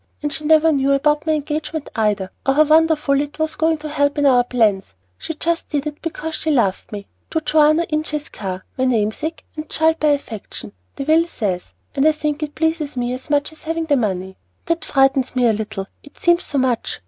and she never knew about my engagement either, or how wonderfully it was going to help in our plans. She just did it because she loved me. 'To Joanna Inches Carr, my namesake and child by affection,' the will says; and I think it pleases me as much as having the money. That frightens me a little, it seems so much.